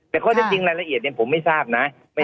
แต่ข้อเท็จจริงรายละเอียดผมไม่ทราบนะ